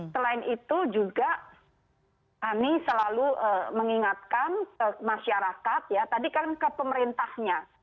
selain itu juga kami selalu mengingatkan ke masyarakat ya tadi kan ke pemerintahnya